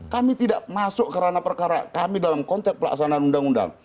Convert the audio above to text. kami tidak masuk ke ranah perkara kami dalam konteks pelaksanaan undang undang